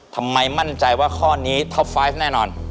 ทำไมมั่นใจว่าข้อนี้ท็อปไฟล์แน่นอน